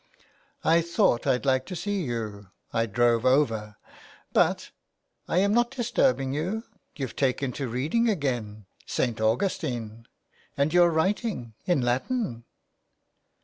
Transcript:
''" I thought I'd like to see you. I drove over. But — I am not disturbing you. .. You've taken to reading again. St. Augustine ! And you're writing in Latin